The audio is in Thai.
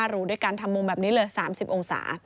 หรูด้วยการทำมุมแบบนี้เลย๓๐องศา